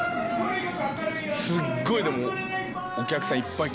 すっごいでもお客さんいっぱい来てくれて。